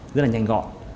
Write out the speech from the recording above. rất là nhanh gọn